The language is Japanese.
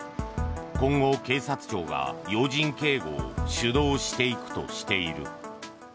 今後、警察庁が要人警護を主導していくとしている。